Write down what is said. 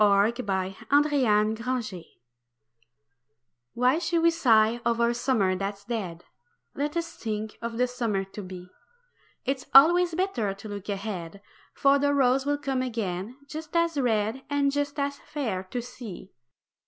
WHY SHOULD WE SIGH Why should we sigh o'er a summer that's dead Let us think of the summer to be. It always better to look ahead, For the rose will come again just as red And just as fair to see.